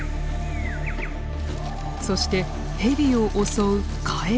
そしてヘビを襲うカエル。